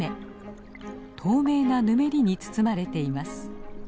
透明なぬめりに包まれています。